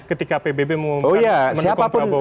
ketika pbb mengumumkan mendukung prabowo